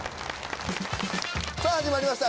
さぁ始まりました